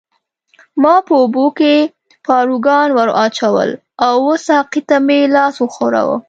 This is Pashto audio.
ما په اوبو کې پاروګان ورواچول او وه ساقي ته مې لاس وښوراوه.